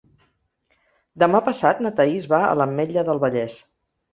Demà passat na Thaís va a l'Ametlla del Vallès.